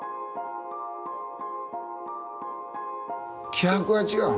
気迫が違う。